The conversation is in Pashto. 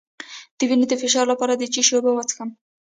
د وینې د فشار لپاره د څه شي اوبه وڅښم؟